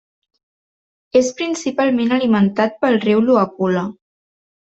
És principalment alimentat pel riu Luapula.